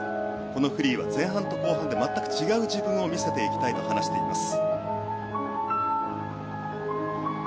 このフリーは前半と後半で全く違う自分を見せていきたいと話しています。